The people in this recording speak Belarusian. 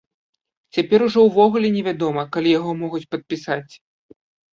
Цяпер ужо ўвогуле невядома, калі яго могуць падпісаць.